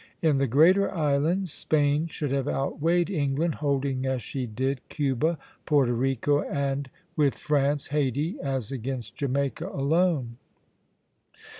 In the greater islands, Spain should have outweighed England, holding as she did Cuba, Porto Rico, and, with France, Hayti, as against Jamaica alone.